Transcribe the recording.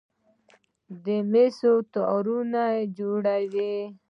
د مسو تارونه جوړوي.